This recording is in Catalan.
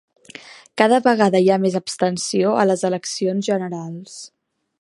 Cada vegada hi ha més abstenció a les eleccions generals.